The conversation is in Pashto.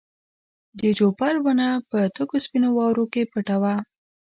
د جوپر ونه په تکو سپینو واورو کې پټه وه.